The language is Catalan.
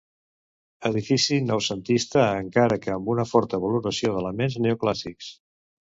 Edifici noucentista encara que amb una forta valoració d'elements neoclàssics.